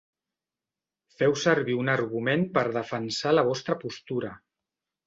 Feu servir un argument per defensar la vostra postura.